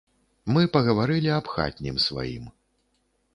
Мы пагаварылі аб хатнім сваім.